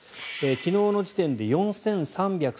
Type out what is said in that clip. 昨日の時点で４３３９人。